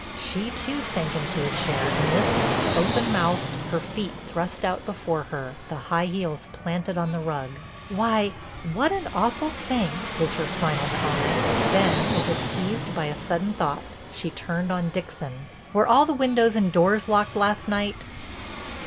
She too sank into a chair, and listened, open mouthed, her feet thrust out before her, the high heels planted on the rug. "Why, what an awful thing!" was her final comment. Then as if seized by a sudden thought she turned on Dixon. "Were all the windows and doors locked last night?"